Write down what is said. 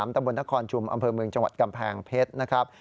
ตำบลนครชุมอำเภอเมืองจังหวัดกำแพงเพชรนะครับ